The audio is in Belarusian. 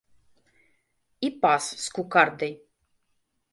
І пас з кукардай!